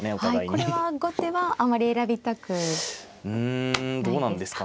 これは後手はあまり選びたくないですか。